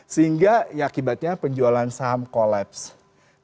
sehingga ya akibatnya penjualan saham collapse